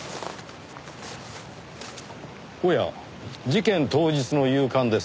おや事件当日の夕刊ですか。